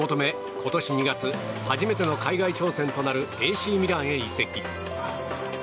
今年２月初めての海外挑戦となるＡＣミランへ移籍。